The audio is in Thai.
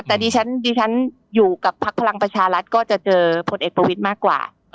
แต่ดิฉันอยู่กับพักพลังประชารัฐก็จะเจอผลเอกประวิทย์มากกว่า